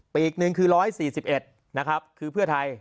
ปีอีก๑คือ๑๔๑คือเพื่อไทย